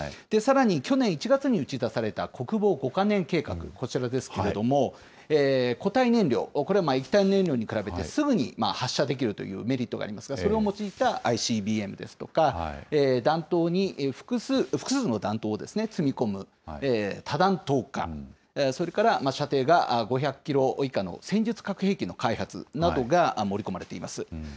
さらに、去年１月に打ち出された国防５か年計画、こちらですけれども、固体燃料、これは液体燃料に比べてすぐに発射できるというメリットがありますが、それを用いたＩＣＢＭですとか、弾頭に複数の、弾頭を積み込む多弾頭化、それから射程が５００キロ以下の戦術核兵器の開発などが盛り込まれています。